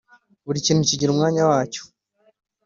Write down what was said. Buri kintu kigira umwanya wacyo